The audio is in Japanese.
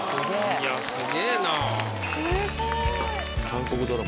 いやすげぇな。